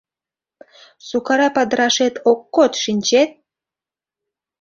Сукара падырашет ок код, шинчет?